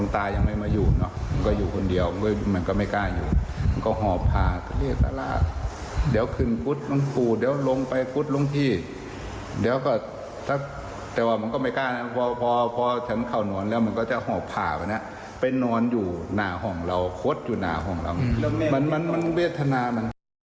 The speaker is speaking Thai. แต่ว่ามันก็ไม่กล้านอนเพราะฉันเข้านอนแล้วมันก็จะหอบผ้าไปนอนอยู่หน้าห่องเราคดอยู่หน้าห่องเรามันเวทนามัน